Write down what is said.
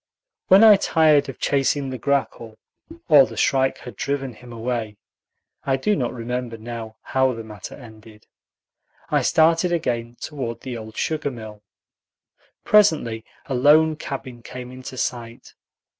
When I tired of chasing the grackle, or the shrike had driven him away (I do not remember now how the matter ended), I started again toward the old sugar mill. Presently a lone cabin came into sight.